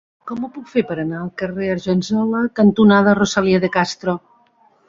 Com ho puc fer per anar al carrer Argensola cantonada Rosalía de Castro?